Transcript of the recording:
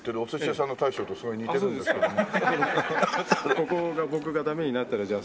ここが僕が駄目になったらじゃあ